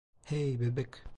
Hey, bebek.